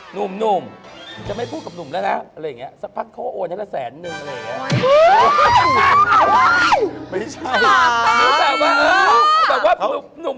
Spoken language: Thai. หนุ่มหนุ่มจะไม่พูดกับหนุ่มแล้วนะโอล่ะสักพักเขาโอนสักอะแสนหนึ่ง